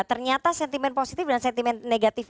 ternyata sentimen positif dan sentimen negatif